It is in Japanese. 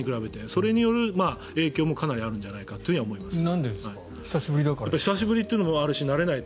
それによる影響もかなりあるんじゃないかと思います。